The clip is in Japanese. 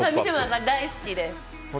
大好きです。